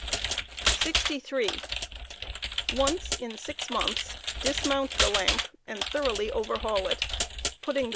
^Biamoujutng 63. Once in six months dismount the lamp and thoroughly overhaul it, putting the lamp.